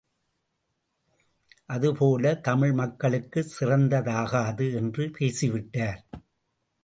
அதுபோல தமிழ் நமக்குச் சிறந்ததாகாது என்று பேசிவிட்டார்.